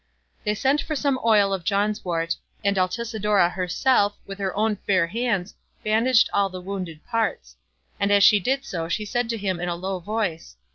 They sent for some oil of John's wort, and Altisidora herself with her own fair hands bandaged all the wounded parts; and as she did so she said to him in a low voice.